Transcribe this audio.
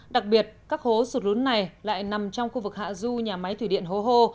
đặc biệt các hố sụt lún này lại nằm trong khu vực hạ du nhà máy thủy điện hố hô